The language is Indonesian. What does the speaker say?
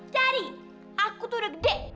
cari aku tuh udah gede